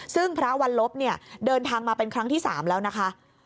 ซึ่งพระวันลบเนี่ยเดินทางมาเป็นครั้งที่๓แล้วนะคะ